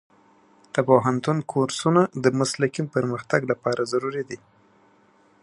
د پوهنتون کورسونه د مسلکي پرمختګ لپاره ضروري دي.